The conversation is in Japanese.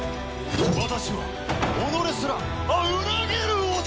私は己すら裏切る男！